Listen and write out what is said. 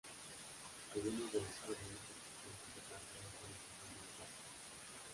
Algunos de los árboles existentes se plantaron cuando se fundó el parque.